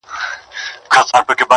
زه پر خپل ځان خپله سایه ستایمه،